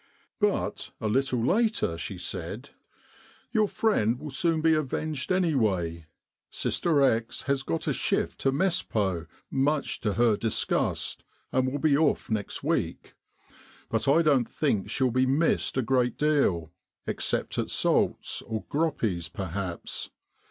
But a little later she said, * Your friend will be soon avenged anyway. Sister X has got a shift to Mespot much to her disgust, and will be off next week. But I don't think she'll be missed a great deal, except at Sault's or Groppi's perhaps.